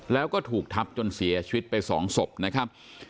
แล้วก็ถูกทับจนเสียชีวิตไป๒ศพนะครับ